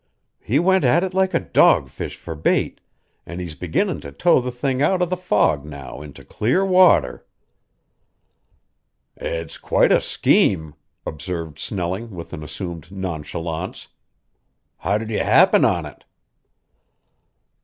He went at it like a dogfish for bait, an' he's beginnin' to tow the thing out of the fog now into clear water." "It's quite a scheme," observed Snelling, with an assumed nonchalance. "How did you happen on it?"